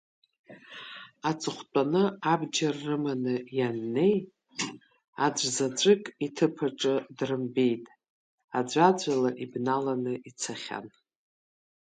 Аҵыхәтәаны абџьар рыманы ианнеи, аӡәзаҵәык иҭыԥаҿы дрымбеит, аӡәаӡәала ибналаны ицахьан.